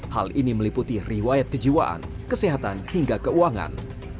hal ini meliputi riwayat kejiwaan kesehatan hingga keuangan